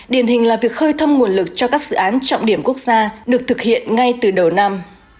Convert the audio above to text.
điển hình là việc khơi thâm nguồn lực cho các dự án trọng điểm quốc gia được thực hiện ngay từ đầu năm